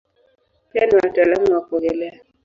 Pia ni mtaalamu wa kuogelea.